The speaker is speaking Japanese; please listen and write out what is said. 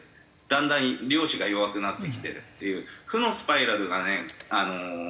だんだん漁師が弱くなってきてるっていう負のスパイラルがね続いてる状況にありますね